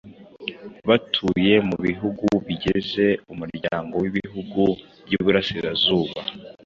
batuye mu Bihugu bigeze Umuryango w’Ibihugu by’Iburasirazuba